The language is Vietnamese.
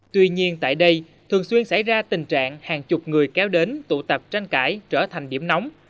tuy nhiên tại đây thường xuyên xảy ra tình trạng hàng chục người kéo đến tụ tập tranh cãi trở thành điểm nóng